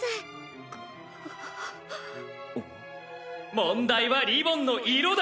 問題はリボンの色だ！